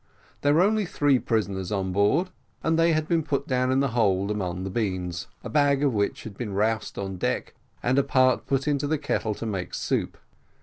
There were only three prisoners on board, and they had been put down in the hold among the beans; a bag of which had been roused on deck, and a part put into the kettle to make soup.